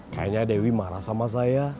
kayaknya dewi marah sama saya